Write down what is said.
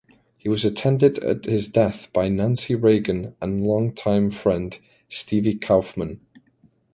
He was attended at his death by Nancy Reagan and longtime friend Stevie Kaufmann.